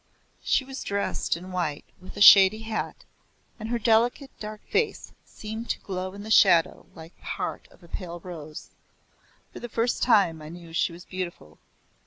She was dressed in white with a shady hat, and her delicate dark face seemed to glow in the shadow like the heart of a pale rose. For the first time I knew she was beautiful.